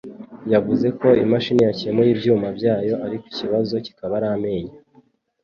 yavuze ko imashini yakemuye ibyuma byayo ariko ibibazo bikaba ari amenyo